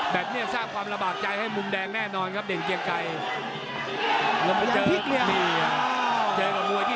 สร้างความระบากใจให้มุมแดงแน่นอนครับเด่นเกียงไกร